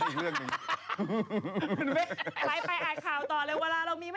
ไปอ่านข่าวต่อเลย